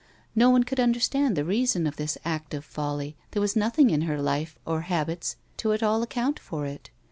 No one could understand the reason of this act of folly, there was nothing in her life or habits to at all account for it.